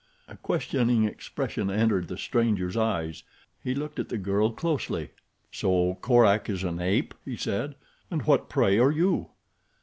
A questioning expression entered the stranger's eyes. He looked at the girl closely. "So Korak is an ape?" he said. "And what, pray, are you?"